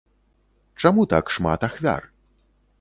Чаму так шмат ахвяр?